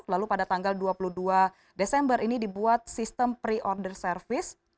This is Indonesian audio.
lalu pada tanggal dua puluh dua desember ini dibuat sistem pre order service